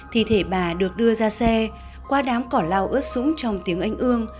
thi thể bà được đưa ra xe qua đám cỏ lao ớt sũng trong tiếng anh ương